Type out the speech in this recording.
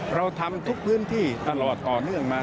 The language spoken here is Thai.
เราทำทุกพื้นที่ตลอดต่อเนื่องมา